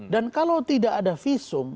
kalau tidak ada visum